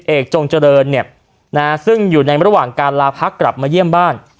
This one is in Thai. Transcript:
จงเจริญเนี่ยนะฮะซึ่งอยู่ในระหว่างการลาพักกลับมาเยี่ยมบ้าน